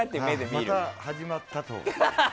また始まったと。